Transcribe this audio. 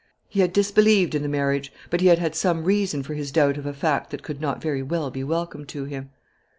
He had disbelieved in the marriage; but he had had some reason for his doubt of a fact that could not very well be welcome to him.